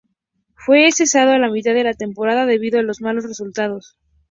Fue cesado a mitad de la temporada debido a los malos resultados.